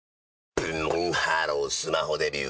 ブンブンハロースマホデビュー！